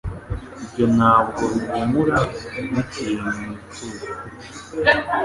Ibyo ntabwo bihumura nkikintu nifuza kurya.